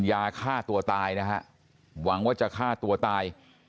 ยาฆ่าตัวตายนะฮะหวังว่าจะฆ่าตัวตาย